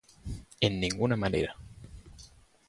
En ninguna manera.